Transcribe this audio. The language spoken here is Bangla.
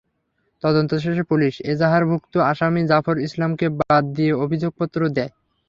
তদন্ত শেষে পুলিশ এজাহারভুক্ত আসামি জাফর ইসলামকে বাদ দিয়ে অভিযোগপত্র দেয়।